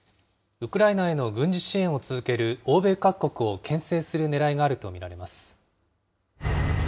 ウクライナへの軍事支援を続ける欧米各国をけん制するねらいがあると見られます。